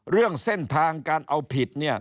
เรื่องเส้นทางการเอาผิดเนี่ย